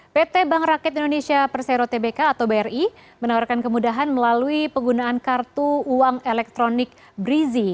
pt bank rakyat indonesia persero tbk atau bri menawarkan kemudahan melalui penggunaan kartu uang elektronik brizi